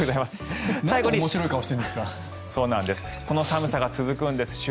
この寒さが続くんです。